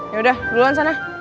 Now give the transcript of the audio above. yaudah duluan sana